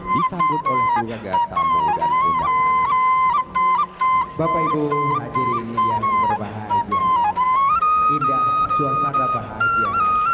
disambut oleh keluarga tamu dan bapak ibu hadirin yang berbahagia indah suasana bahagia